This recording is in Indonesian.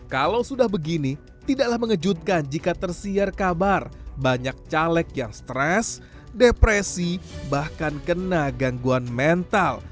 kalau sudah begini tidaklah mengejutkan jika tersiar kabar banyak caleg yang stres depresi bahkan kena gangguan mental